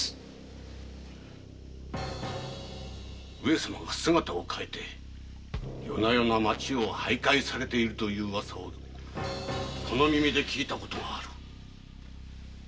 上様が姿を変えて夜な夜な町を徘徊されているというウワサをこの耳で聞いたことがある。